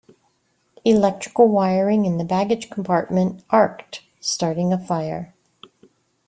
Electrical wiring in the baggage compartment arced, starting a fire.